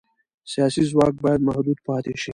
سیاسي ځواک باید محدود پاتې شي